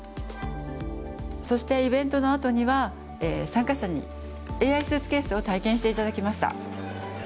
そしてイベントのあとには参加者にＡＩスーツケースを体験して頂きました。